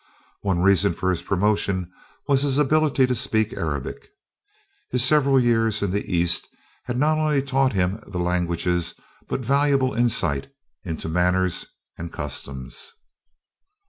One reason for his promotion was his ability to speak Arabic. His several years in the East had not only taught him the languages, but valuable insight into manners and customs.